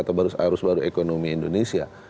atau arus baru ekonomi indonesia